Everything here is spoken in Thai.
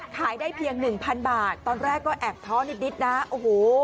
ขายได้เพียงหนึ่งพันบาทตอนแรกก็แอบท้อนิดนะโอ้โห